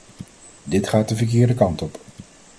Dit gaat de verkeerde kant op.